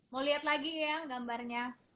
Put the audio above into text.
mau lihat lagi ya gambarnya